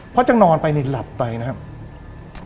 พอจะนอนไปในหลับไปนะครับ